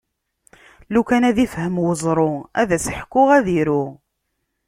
Lukan ad ifhem uẓru, ad as-ḥkuɣ ad iru.